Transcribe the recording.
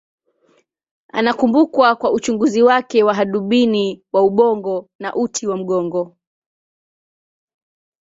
Anakumbukwa kwa uchunguzi wake wa hadubini wa ubongo na uti wa mgongo.